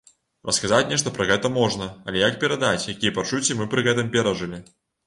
Расказаць нешта пра гэта можна, але як перадаць, якія пачуцці мы пры гэтым перажылі?